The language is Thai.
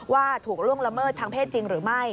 ว่าถูกล่วงละเมิดทางเพศจริงหรือไม่